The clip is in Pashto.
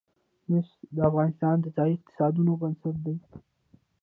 مس د افغانستان د ځایي اقتصادونو بنسټ دی.